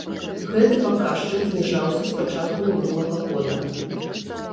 Гэты паказчык зніжаўся з пачатку мінулага года.